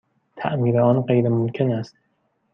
تعمیر آن غیرممکن است.